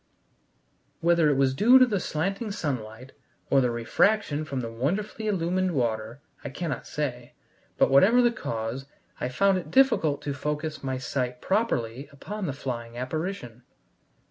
Whether it was due to the slanting sunlight, or the refraction from the wonderfully illumined water, I cannot say, but, whatever the cause, I found it difficult to focus my sight properly upon the flying apparition.